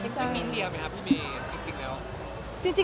มันมีเซียไหมครับพี่เมย์จริงแล้ว